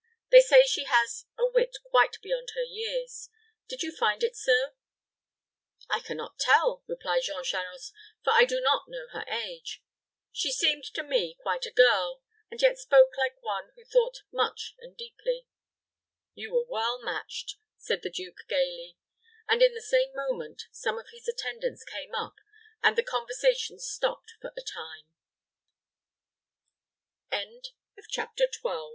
They say she has a wit quite beyond her years. Did you find it so?" "I can not tell," replied Jean Charost, "for I do not know her age. She seemed to me quite a girl; and yet spoke like one who thought much and deeply." "You were well matched," said the duke, gayly; and, at the same moment, some of his attendants came up, and the conversation stopped for the time. CHAPTER XIII.